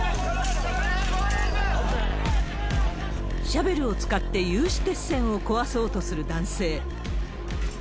シャベルを使って有刺鉄線を壊そうとする男性。